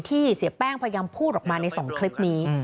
เสียแป้งพยายามพูดออกมาใน๒คลิปนี้